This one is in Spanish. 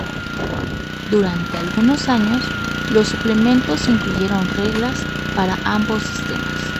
Durante algunos años, los suplementos incluyeron reglas para ambos sistemas.